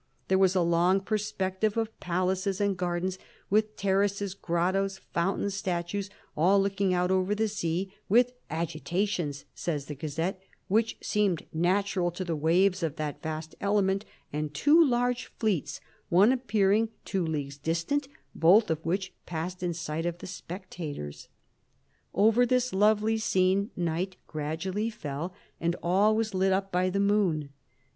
There was a long perspective of palaces and gardens, with terraces, grottos, fountains, statues, all looking out over the sea, " with agitations," says the Gazette, "which seemed natural to the waves of that vast element, and two large fleets, one appearing two leagues distant, both of which passed in sight of the spectators." Over this lovely scene night gradually fell, and all was lit up by the moon.